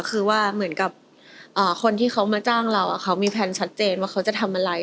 คือว่าเหมือนกับคนที่เขามาจ้างเราเขามีแพลนชัดเจนว่าเขาจะทำอะไร